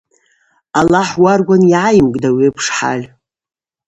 Алахӏ уаргван йгӏайымгтӏ ауи апш хӏаль.